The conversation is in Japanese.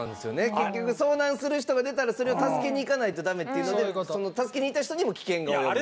結局遭難する人が出たらそれを助けに行かないとダメっていうのでその助けに行った人にも危険が及ぶと。